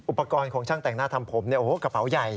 อุปกรณ์ของช่างแต่งหน้าทำผมกระเป๋าใหญ่